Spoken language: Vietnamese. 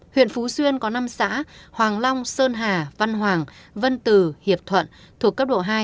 huyện phú xuyên có năm xã hoàng long sơn hà văn hoàng vân tử hiệp thuận thuộc cấp độ hai